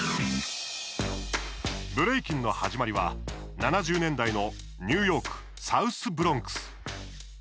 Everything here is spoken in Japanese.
ブレイキンの始まりは７０年代のニューヨークサウスブロンクス。